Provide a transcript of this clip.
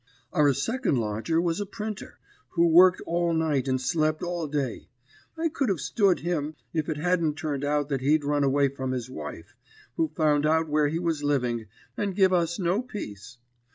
"Our second lodger was a printer, who worked all night and slep all day. I could have stood him if it hadn't turned out that he'd run away from his wife, who found out where he was living, and give us no peace.